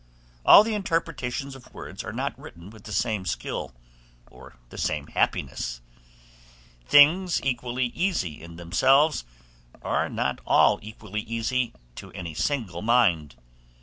All the interpretations of words are not written with the same skill, or the same happiness: things equally easy in themselves, are not all equally easy to any single mind.